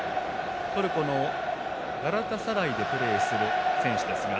トルコのガラタサライでプレーする選手ですが。